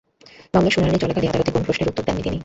মামলার শুনানি চলাকালে আদালতে কোনো প্রশ্নের উত্তর দেননি তিনি।